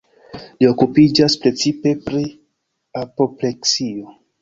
Li okupiĝas precipe pri apopleksio.